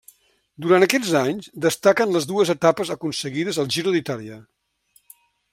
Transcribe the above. Durant aquests anys destaquen les dues etapes aconseguides al Giro d'Itàlia.